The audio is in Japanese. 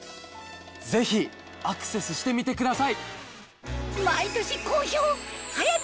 ぜひアクセスしてみてください！